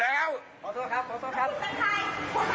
ด้วยความเคารพนะคุณผู้ชมในโลกโซเชียล